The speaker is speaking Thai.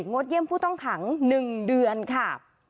ดเยี่ยมผู้ต้องขัง๑เดือนค่ะ